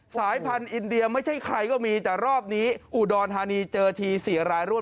สายพันธุ์อินเดียไม่ใช่ใครก็มีแต่รอบนี้อุดรธานีเจอที๔รายรวด